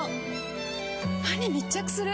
歯に密着する！